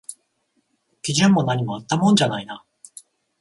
基準も何もあったもんじゃないな